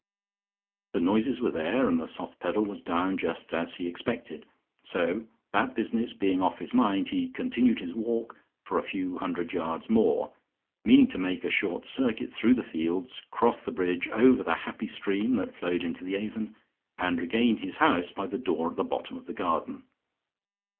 The noises were there, and the soft pedal was down just as he expected, so, that business being off his mind, he continued his walk for a few hundred yards more, meaning to make a short circuit through fields, cross the bridge, over the happy stream that flowed into the Avon, and regain his house by the door at the bottom of the garden.